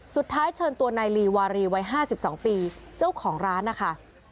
เชิญตัวนายลีวารีวัย๕๒ปีเจ้าของร้านนะคะ